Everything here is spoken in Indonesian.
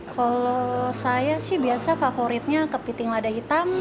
kalau saya sih biasa favoritnya kepiting lada hitam